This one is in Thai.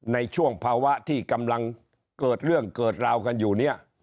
ในช่วงภาวะที่กำลังเกิดเรื่องเกิดราวกันอยู่เนี่ย